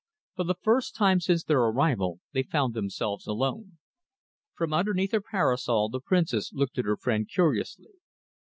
For the first time since their arrival they found themselves alone. From underneath her parasol the Princess looked at her friend curiously.